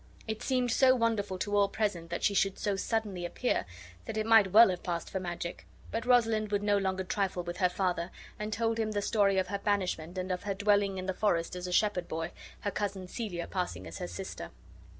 It seemed so wonderful to all present that she should so suddenly appear, that it might well have passed for magic; but Rosalind would no longer trifle with her father, and told him the story of her banishment, and of her dwelling in the forest as a shepherd boy, her cousin Celia passing as her sister.